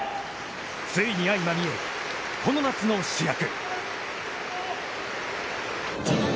ついに相まみえる、この夏の主役。